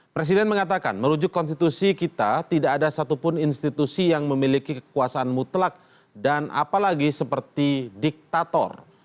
presiden mengatakan merujuk konstitusi kita tidak ada satupun institusi yang memiliki kekuasaan mutlak dan apalagi seperti diktator